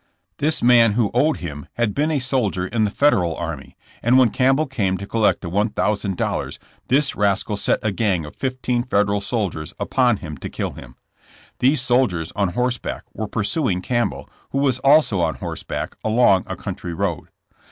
This man who owed him had been a soldier in the Federal army, and when Campbell came to collect the $1,000 this rascal set a gang of fifteen Federal soldiers upon him to kill him. These soldiers, on horseback, were pursuing Campbell, who was also on horseback, along a country road.